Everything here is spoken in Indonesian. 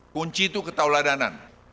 kunci itu ketauladanan